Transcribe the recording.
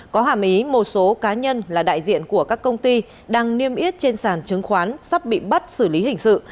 có hàm ý một số cá nhân là đại diện của các công ty đang niêm yết trên sàn chứng khoán sắp bị bắt xử lý hình sự